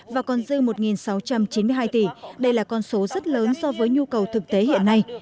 và còn dư một sáu trăm chín mươi hai tỷ đây là con số rất lớn so với nhu cầu thực tế hiện nay